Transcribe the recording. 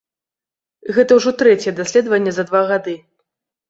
Гэта ўжо трэцяе даследаванне за два гады.